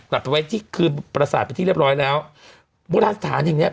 กลับไปไว้ที่คือประสาทไปที่เรียบร้อยแล้วโบราณสถานแห่งเนี้ย